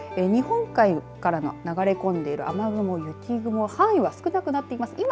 日本海から流れ込んでいる雨雲雪雲、範囲は少なくなっています。